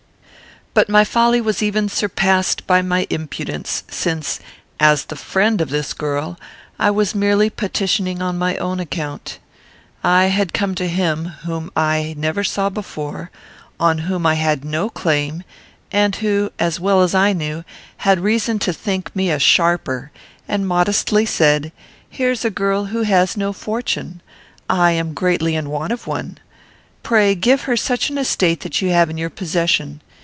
But my folly was even surpassed by my impudence, since, as the friend of this girl, I was merely petitioning on my own account. I had come to him, whom I never saw before, on whom I had no claim, and who, as I well knew, had reason to think me a sharper, and modestly said, "Here's a girl who has no fortune. I am greatly in want of one. Pray, give her such an estate that you have in your possession.